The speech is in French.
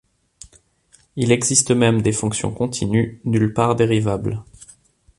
Il existe même des fonctions continues nulle part dérivables.